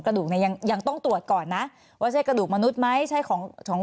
กระดูกเนี่ยยังยังต้องตรวจก่อนนะว่าใช่กระดูกมนุษย์ไหมใช่ของของ